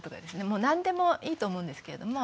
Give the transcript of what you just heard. もう何でもいいと思うんですけれども。